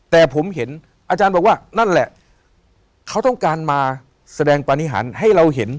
แต่ผมเห็นอาจารย์บอกว่านั่นแหละเขาต้องการมาแสดงปฏิหารให้เราเห็น